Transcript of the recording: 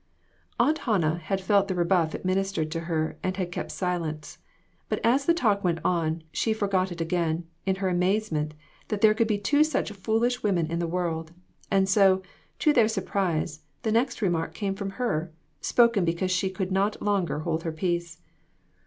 Aunt Hannah had felt the rebuff administered to her and had kept silence, but as the talk went on she forgot it again, in her amazement that there could be two such foolish women in the world, and so, to their surprise, the next remark came from her, spoken because she could not longer hold her peace.